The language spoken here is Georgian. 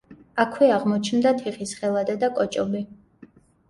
აქვე აღმოჩნდა თიხის ხელადა და კოჭობი.